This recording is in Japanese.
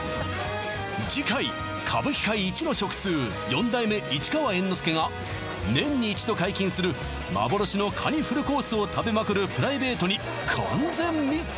次回歌舞伎界イチの食通四代目市川猿之助が年に一度解禁する幻のカニフルコースを食べまくるプライベートに完全密着！